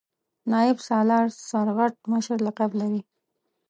نایب سالار سرغټ مشر لقب لري.